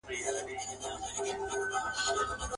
چي صوفي موږک ایله کړ په میدان کي.